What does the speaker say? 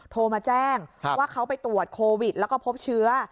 โทรมาแจ้งว่าเขาไปตรวจโควิดแล้วก็พบเชื้อ